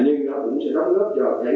nhưng nó cũng sẽ đóng góp cho